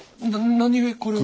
何故これを。